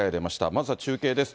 まずは中継です。